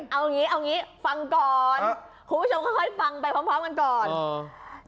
เอาอย่างงี้เอาอย่างงี้ฟังก่อนครับคุณผู้ชมค่อยค่อยฟังไปพร้อมพร้อมกันก่อนอ่า